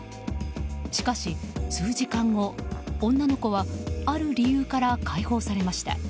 しかし数時間後、女の子はある理由から解放されました。